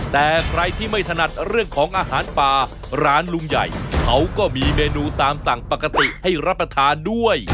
แต่ใครที่ไม่ถนัดเรื่องของอาหารป่าร้านลุงใหญ่เขาก็มีเมนูตามสั่งปกติให้รับประทานด้วย